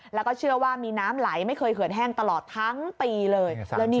แล้วก็เชื่อว่ามีน้ำไหลไม่เคยเขื่อนแห้งตลอดทั้งปีเลย